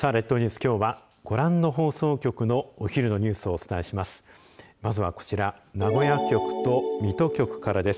きょうはご覧の放送局のお昼のニュースをお伝えします。